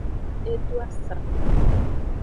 E do asra.